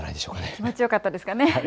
気持ちよかったですかね。